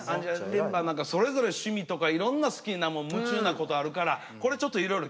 メンバー何かそれぞれ趣味とかいろんな好きなもん夢中なことあるからこれちょっといろいろ聞いていこう。